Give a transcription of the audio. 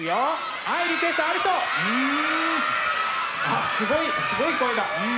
あっすごいすごい声だ。